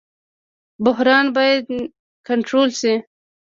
بحران باید کنټرول شي